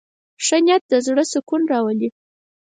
ښه نیت د زړه سکون راولي.